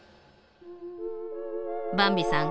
ばんびさん